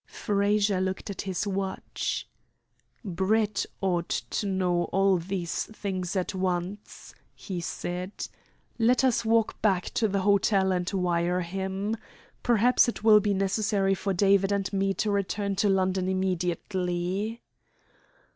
Frazer looked at his watch. "Brett ought to know all these things at once," he said. "Let us walk back to the hotel and wire him. Perhaps it will be necessary for David and me to return to London immediately."